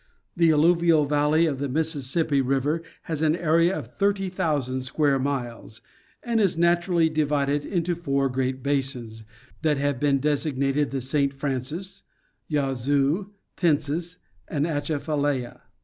The allu vial valley of the Mississippi river has an area of thirty thousand square miles, and is naturally divided into four great basins that have been designated the St. Francis, Yazoo, Tensas and Atcha falaya.